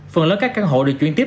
phần lớn các căn hộ được chuyển tiếp